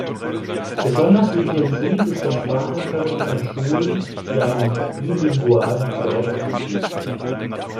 Besonders intensiv ist der Sprachunterricht an Schulen, die einen "bilingualen Zweig" anbieten.